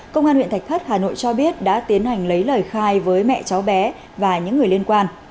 công an huyện thạch thất hà nội cho biết đã tiến hành lấy lời khai với mẹ cháu bé và những người liên quan